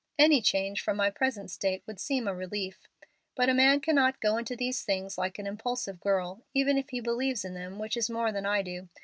Any change from my present state would seem a relief. But a man cannot go into these things like an impulsive girl, even if he believes in them, which is more than I do.